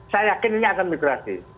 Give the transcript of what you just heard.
saya yakin ini akan migrasi